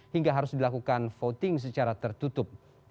hingga harus dilakukan voting secara tertutup